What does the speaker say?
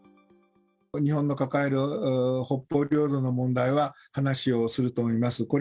日本の抱える北方領土の問題は話をすると思います。